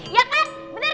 ya kan bener gak